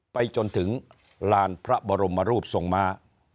ไปจนถึงลานพระบรมรูปทรงม้า